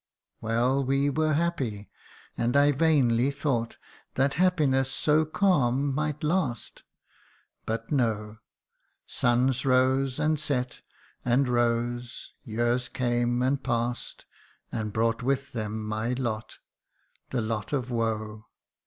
" Well, we were happy ; and I vainly thought That happiness so calm might last but no !. Suns rose, and set, and rose ; years came and pass'd, And brought with them my lot the lot of woe.